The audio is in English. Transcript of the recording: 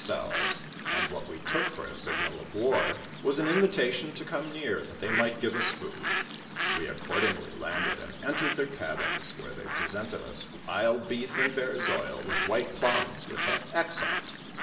li selves, and what we took for a signal of war, was an invitation to come near, that they might give us food ; we accordingly landed and entered their cabins, where they presented ns wild beef and bear's oil, with white plums, which are excel lent.